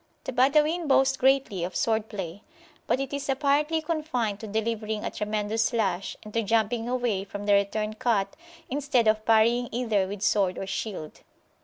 The Badawin boast greatly of sword play; but it is apparently confined to delivering a tremendous slash, and to jumping away from the return cut instead of parrying either with sword or shield.